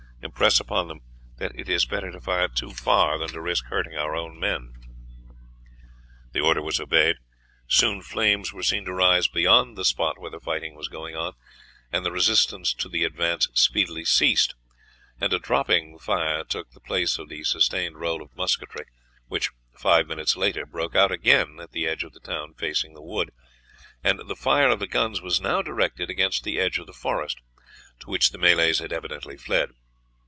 Impress upon them that it is better to fire too far than to risk hurting our own men." The order was obeyed; soon flames were seen to rise beyond the spot where the fighting was going on, the resistance to the advance speedily ceased, and a dropping fire took the place of the sustained roll of musketry which, five minutes later, broke out again at the edge of the town facing the wood, and the fire of the guns was now directed against the edge of the forest, to which the Malays had evidently fled.